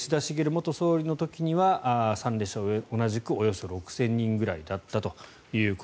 元総理の時には参列者同じく６０００人ぐらいだったと。